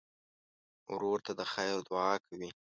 ورور ته د خیر دعا کوې.